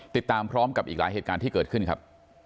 ติดตามพร้อมกับอีกหลายเหตุการณ์ที่เกิดขึ้นครับ